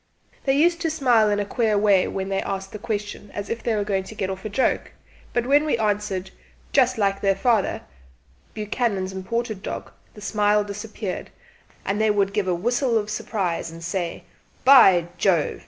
They used to smile in a queer way when they asked the question, as if they were going to get off a joke; but when we answered "Just like their fatherBuchanan's imported dog," the smile disappeared, and they would give a whistle of surprise and say "By Jove!"